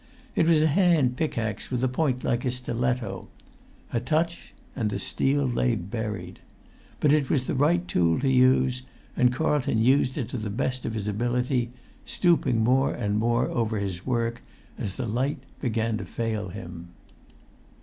It was a hand pickaxe with a point like a stiletto; a touch, and the steel lay buried. But it was the right tool to use, and Carlton used it to the best of his ability, stooping more and more over his work as the light began to fail him.